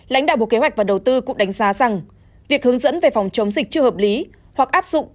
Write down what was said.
lãnh đạo bộ kế hoạch và đầu tư cũng đánh giá rằng việc hướng dẫn về phòng chống dịch chưa hợp lý hoặc áp dụng